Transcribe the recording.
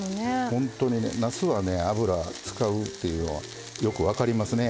本当にねなすはね油使うっていうのはよく分かりますね。